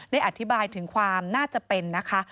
อธิบายถึงความน่าจะเป็นนะคะ